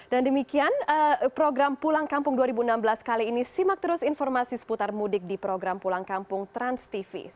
dan demikian program pulang kampung dua ribu enam belas kali ini simak terus informasi seputar mudik di program pulang kampung transtv